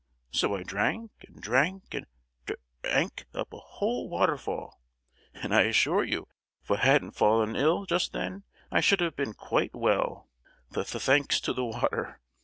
So I drank, and drank, and dra—ank up a whole waterfall; and I assure you if I hadn't fallen ill just then I should have been quite well, th—thanks to the water!